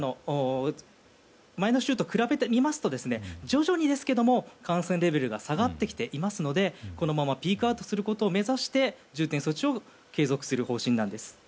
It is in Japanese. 前の週と比べてみますと徐々にですけども、感染レベルが下がってきていますのでこのままピークアウトすることを目指して重点措置を継続する見通しなんです。